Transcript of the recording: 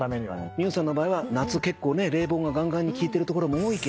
ｍｉｙｏｕさんの場合は夏結構冷房がガンガンに効いてる所も多いけど。